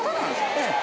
ええ。